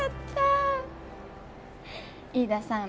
飯田さん